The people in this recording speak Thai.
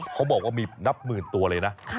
เขาบอกว่ามีนับหมื่นตัวเลยนะ